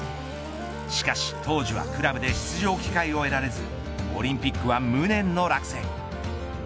しかし当時はクラブで出場機会を得られずオリンピックは無念の落選。